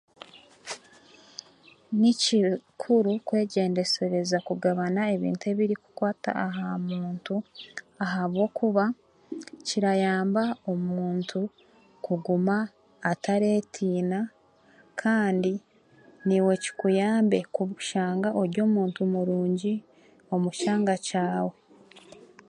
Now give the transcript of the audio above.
Ni kukuru kwegyendesereza kubagana ebintu ebirikukwata aha muntu ahabwokuba kirayamba omuntu kuguma atareetiina kandi naiwe kikuyambe kushanga ori omuntu murungi omu kyanga kyawe